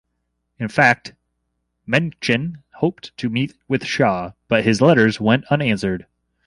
In fact, Mencken hoped to meet with Shaw, but his letters went unanswered.